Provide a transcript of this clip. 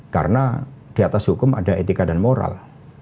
karena di atas hukum ada etika dan moral